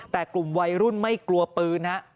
แต่กลุ่มวัยรุ่นไม่กลัวปืนฮะ